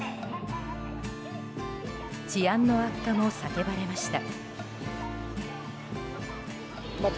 治安の悪化も叫ばれました。